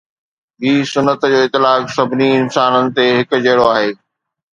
هن سنت جو اطلاق سڀني انسانن تي هڪ جهڙو آهي.